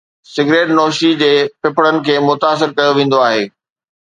cigarette نوشي جي ڦڦڙن کي متاثر ڪيو ويندو آهي